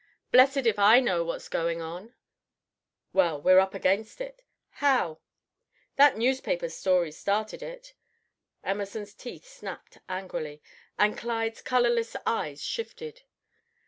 "Blessed if I know what's going on." "Well, we're up against it." "How?" "That newspaper story started it." Emerson's teeth snapped angrily, and Clyde's colorless eyes shifted.